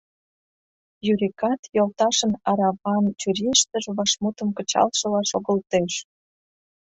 Юрикат йолташын араван чурийыштыже вашмутым кычалшыла шогылтеш.